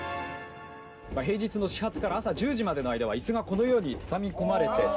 平日の始発から朝１０時までの間は椅子がこのようにたたみ込まれて。